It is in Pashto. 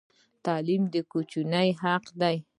تعلیم د کوچني حق دی.